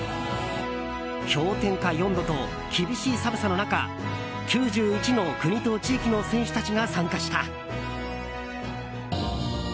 氷点下４度と厳しい寒さの中９１の国と地域の選手たちが参加した。